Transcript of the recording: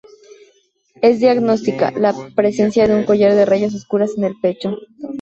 Es diagnóstica la presencia de un collar de rayas oscuras en el pecho.